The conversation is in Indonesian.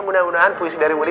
mudah mudahan puisi dari muri